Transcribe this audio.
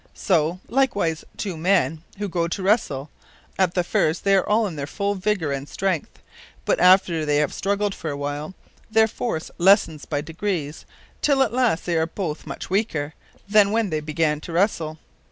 So like wise two men, who go to wrestle, at the first they are in their full vigour and strength; but after they have strugled a while, their force lessens by degrees, till at last they are both much weaker, than when they began to wrestle.